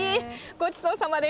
ごちそうさまです。